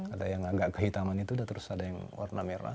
ada yang agak kehitaman itu terus ada yang warna merah